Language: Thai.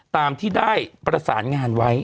ตามที่ได้ประสานงานไว้